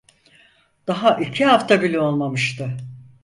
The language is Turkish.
Daha iki hafta bile olmamıştı.